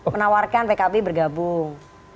menawarkan pkb bergabung